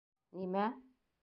Ни-мә?!